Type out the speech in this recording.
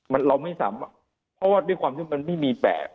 มันเราไม่ซ้ำอ่ะเพราะว่าด้วยความที่มันไม่มีแปลก